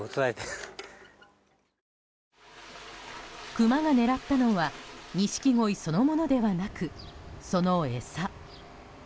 クマが狙ったのはニシキゴイそのものではなくその餌。